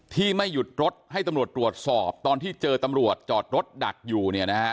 ที่ไม่หยุดรถให้ตำรวจตรวจสอบตอนที่เจอตำรวจจอดรถดักอยู่